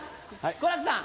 好楽さん。